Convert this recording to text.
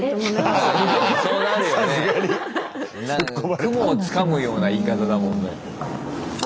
雲をつかむような言い方だもんね。